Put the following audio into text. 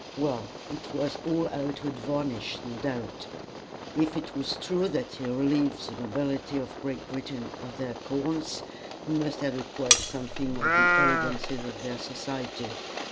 Well, it was all outward varnish, no doubt. If it was true that he had relieved the nobility of Great Britain of their corns, he must have acquired something of the elegances of their society.